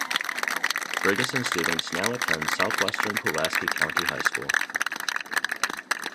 Ferguson students now attend Southwestern-Pulaski County High School.